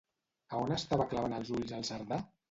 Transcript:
A on estava clavant els ulls el Cerdà?